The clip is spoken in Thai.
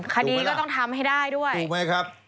คดีก็ต้องทำให้ได้ด้วย